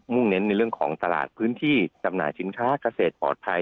่งเน้นในเรื่องของตลาดพื้นที่จำหน่ายสินค้าเกษตรปลอดภัย